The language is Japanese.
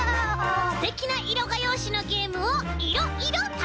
すてきないろがようしのゲームをいろいろたのしめちゃいます！